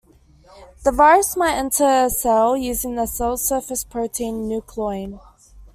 The virus might enter a cell using the cell surface protein nucleolin.